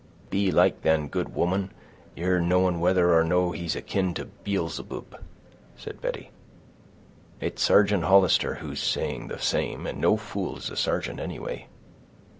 "Belike, then, good woman, ye're knowing whether or no he's akin to Beelzeboob," said Betty. "It's Sargeant Hollister who's saying the same, and no fool is the sargeant, anyway."